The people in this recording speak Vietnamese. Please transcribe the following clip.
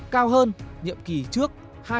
cao hơn nhiệm kỳ trước hai sáu mươi chín